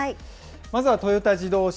まずはトヨタ自動車。